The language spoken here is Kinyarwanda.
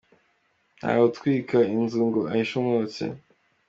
Nta we utwika inzu ngo ahishe umwotsi….